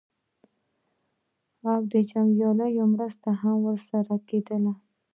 او د جنګیالیو مرسته هم ورسره کېدله.